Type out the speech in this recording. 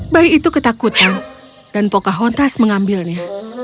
bayi itu ketakutan dan pocahontas mengambilnya